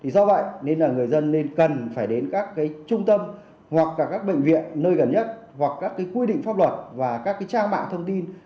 do vậy nên là người dân nên cần phải đến các trung tâm hoặc là các bệnh viện nơi gần nhất hoặc các quy định pháp luật và các trang mạng thông tin